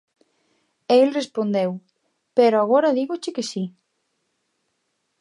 E el respondeu: 'Pero agora dígoche que si'.